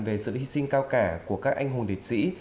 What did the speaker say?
về sự hy sinh cao cả của các anh hùng liệt sĩ